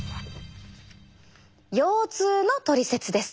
腰痛のトリセツです。